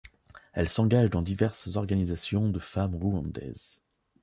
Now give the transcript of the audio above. Elle s'engage dans diverses organisations de femmes rwandaises.